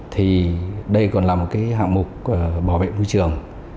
thì đây còn là một cái hạng mục bảo vệ môi trường